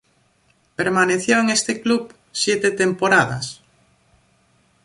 Permaneció en este club siete temporadas.